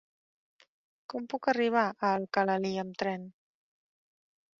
Com puc arribar a Alcalalí amb tren?